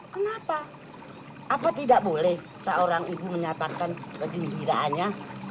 kenapa apa tidak boleh seorang ibu menyatakan kegembiraannya